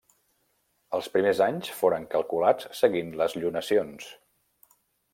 Els primers anys foren calculats seguint les llunacions.